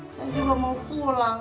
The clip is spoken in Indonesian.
saya juga mau pulang